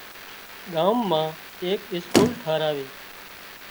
ڳام ايڪ اسڪول ٺاهراوي